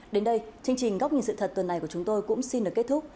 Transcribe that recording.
đến đây chương trình góc nhìn sự thật tuần này của chúng tôi cũng xin được kết thúc